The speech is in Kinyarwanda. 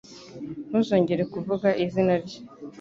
Ntuzongere kuvuga izina rye.